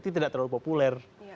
itu tidak terlalu populer